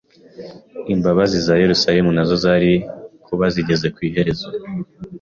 imbabazi za Yerusalemu nazo zari kuba zigeze ku iherezo.